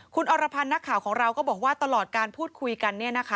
คุณอรพันธ์นักข่าวของเราก็บอกว่าตลอดการพูดคุยกัน